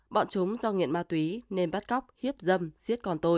bọn chúng do nghiện ma túy nên bắt cóc hiếp dâm xiết con tôi